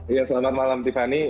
iya selamat malam tiffany